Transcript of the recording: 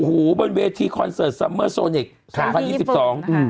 บนเวทีคอนเสิร์ตซัมเมอร์โซนิกสองพันยี่สิบสองอืม